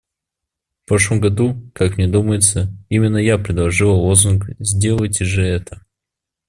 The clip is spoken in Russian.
В прошлом году, как мне думается, именно я предложила лозунг: "Сделайте же это".